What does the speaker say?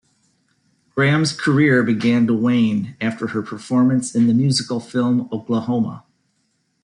Grahame's career began to wane after her performance in the musical film Oklahoma!